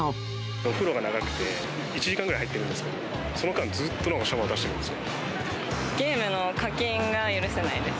お風呂が長くて、１時間ぐらい入ってるんですけど、その間、ずっとなんかシャワー出ゲームの課金が許せないです。